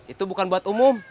itu bukan buat umum